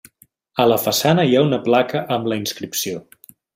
A la façana hi ha una placa amb la inscripció.